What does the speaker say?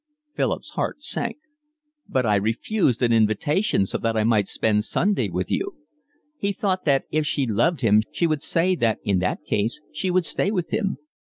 Philip's heart sank. "But I refused an invitation so that I might spend Sunday with you." He thought that if she loved him she would say that in that case she would stay with him.